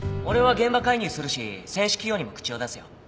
俺は現場介入するし選手起用にも口を出すよ。